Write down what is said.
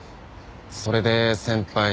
それで先輩。